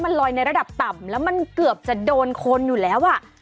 มันลอยในระดับต่ำแล้วมันเกือบจะโดนคนอยู่แล้วอ่ะ